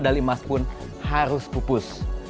medali emas pun harus pupus